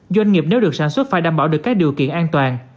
doanh nghiệp nếu được sản xuất phải đảm bảo được các điều kiện an toàn